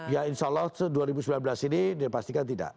ya insya allah dua ribu sembilan belas ini dipastikan tidak